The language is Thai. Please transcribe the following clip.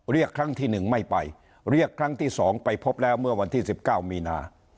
เรียกครั้งที่๑ไม่ไปเรียกครั้งที่๒ไปพบแล้วเมื่อวันที่๑๙มีนา